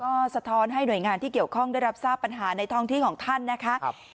ก็สะท้อนให้หน่วยงานที่เกี่ยวข้องได้รับทราบปัญหาในท้องที่ของท่านนะคะ